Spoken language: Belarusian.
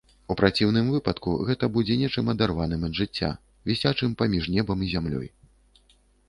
У праціўным выпадку гэта будзе нечым адарваным ад жыцця, вісячым паміж небам і зямлёй.